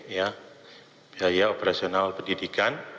ya biaya operasional pendidikan